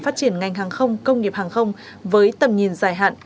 phát triển ngành hàng không công nghiệp hàng không với tầm nhìn dài hạn